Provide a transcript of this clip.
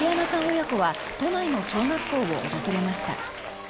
親子は都内の小学校を訪れました。